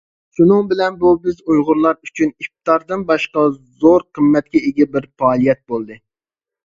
شۇنىڭ بىلەن بۇ بىز ئۇيغۇرلار ئۈچۈن ئىپتاردىن باشقا زور قىممەتكە ئىگە بىر پائالىيەت بولدى.